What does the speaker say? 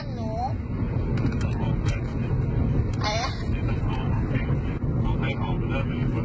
นี่แหละค่ะ